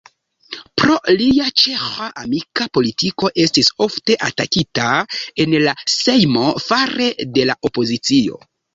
Pro lia ĉeĥ-amika politiko estis ofte atakita en la sejmo, fare de la opozicio.